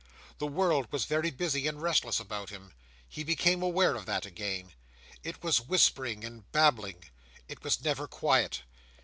The world was very busy and restless about him. He became aware of that again. It was whispering and babbling. It was never quiet.